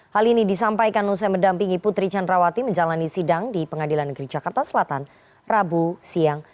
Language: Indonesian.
hal ini disampaikan usai mendampingi putri candrawati menjalani sidang di pengadilan negeri jakarta selatan rabu siang